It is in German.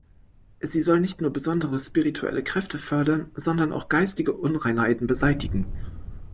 Sie soll nicht nur besondere spirituelle Kräfte fördern, sondern auch geistige Unreinheiten beseitigen.